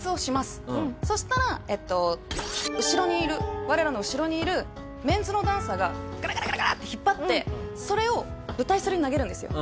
そしたら後ろにいる我らの後ろにいるメンズのダンサーがガラガラガラガラって引っ張ってそれを舞台袖に投げるんですよ。